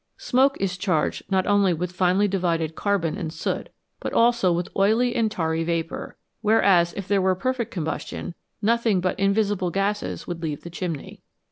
Smoke is charged not only with finely divided carbon and soot, but also with oily and tarry vapour, whereas if there were perfect combustion nothing but invisible gases would leave the chimney.